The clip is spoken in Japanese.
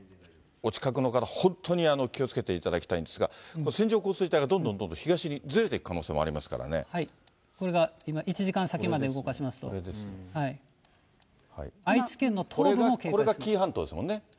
お近くの方、本当に気をつけていただきたいんですが、線状降水帯がどんどんどんどん東にずれていく可能性もありますかこれが今、１時間先まで動かしますと、これが紀伊半島ですもんね。